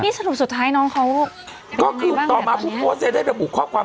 นี่สรุปสุดท้ายน้องเขาลูกก็คือต่อมาผู้โพสเตรดให้ประบุข้อความ